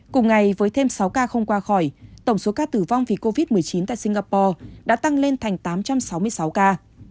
cùng ngày với thêm sáu ca không qua khỏi tổng số ca tử vong vì covid một mươi chín tại singapore đã tăng lên thành tám trăm sáu mươi sáu ca